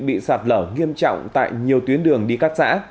bị sạt lở nghiêm trọng tại nhiều tuyến đường đi các xã